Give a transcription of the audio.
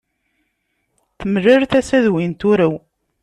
Temlal tasa d win trew.